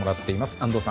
安藤さん